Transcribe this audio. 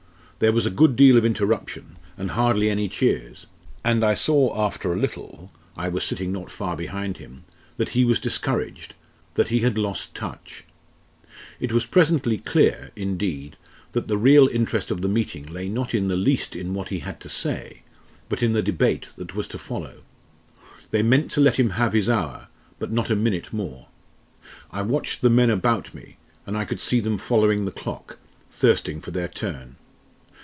There was a good deal of interruption and hardly any cheers and I saw after a little I was sitting not far behind him that he was discouraged that he had lost touch. It was presently clear, indeed, that the real interest of the meeting lay not in the least in what he had to say, but in the debate that was to follow. They meant to let him have his hour but not a minute more. I watched the men about me, and I could see them following the clock thirsting for their turn.